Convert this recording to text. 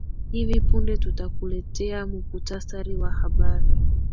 hivi punde tutakuletea mkutasari wa habari